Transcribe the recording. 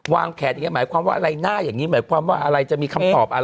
แขนอย่างนี้หมายความว่าอะไรหน้าอย่างนี้หมายความว่าอะไรจะมีคำตอบอะไร